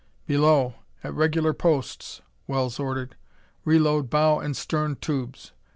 "Below, at regular posts," Wells ordered. "Reload bow and stern tubes.